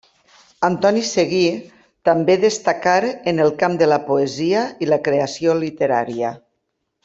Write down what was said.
Antoni Seguí també destacar en el camp de la poesia i la creació literària.